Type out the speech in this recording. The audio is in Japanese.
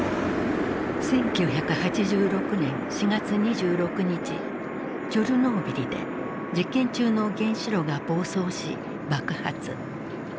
１９８６年４月２６日チョルノービリで実験中の原子炉が暴走し爆発。